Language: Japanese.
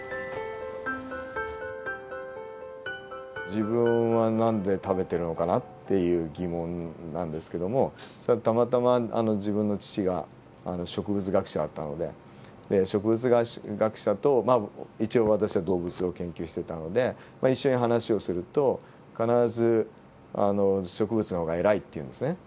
自分は何で食べてるのかなっていう疑問なんですけどもそれはたまたま自分の父が植物学者だったので植物学者と一応私は動物を研究してたので一緒に話をすると必ず植物の方が偉いっていうんですね。